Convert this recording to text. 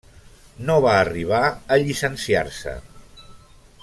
No va arribar a llicenciar-se.